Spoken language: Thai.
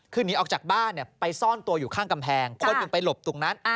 คือหนีออกจากบ้านไปซ่อนตัวอยู่ข้างกำแพงคนหนึ่งไปหลบตรงนั้น